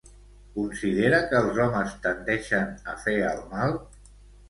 Considera que els homes tendeixen a fer el mal?